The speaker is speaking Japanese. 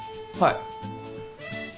はい。